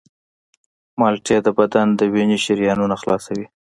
مالټې د بدن د وینې شریانونه خلاصوي.